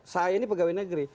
saya ini pegawai negeri